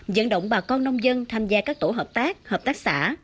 dẫn động bà con nông dân tham gia các tổ hợp tác hợp tác xã